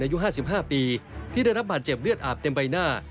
อายุ๕๕ปีที่ได้รับบาดเจ็บเลือดอาบเต็มใบหน้า